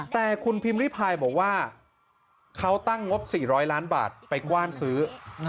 แต่คุณพิมพ์ริพายบอกว่าเขาตั้งงบ๔๐๐ล้านบาทไปกว้านซื้อ